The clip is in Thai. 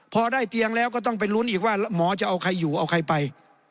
พอได้เตียงแล้วก็ต้องไปลุ้นอีกว่าหมอจะเอาใครอยู่เอาใครไป